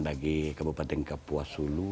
bagi kabupaten kapuasulu